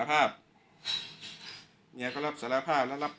ช่างแอร์เนี้ยคือล้างหกเดือนครั้งยังไม่แอร์